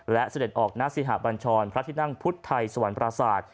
และเสด็จออกหน้าสิหาบัญชรพระทินั่งพุทธไทยสวรรค์ปราสาท